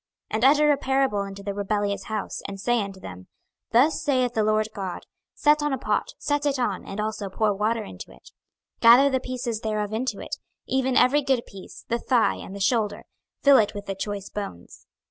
26:024:003 And utter a parable unto the rebellious house, and say unto them, Thus saith the Lord GOD; Set on a pot, set it on, and also pour water into it: 26:024:004 Gather the pieces thereof into it, even every good piece, the thigh, and the shoulder; fill it with the choice bones.